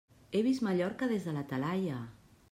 He vist Mallorca des de la Talaia!